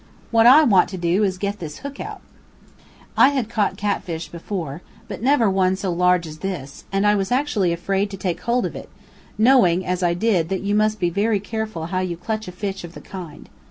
"What I want to do is to get this hook out." I had caught cat fish before, but never one so large as this, and I was actually afraid to take hold of it, knowing, as I did, that you must be very careful how you clutch a fish of the kind.